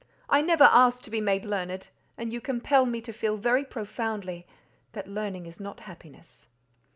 I never asked to be made learned, and you compel me to feel very profoundly that learning is not happiness."